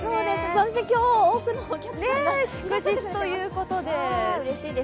そして今日は多くの客さんが祝日ということで。